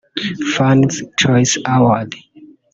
Fans Choice Award